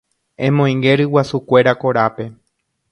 Emoinge ryguasukuéra korápe.